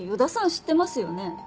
知ってますよね？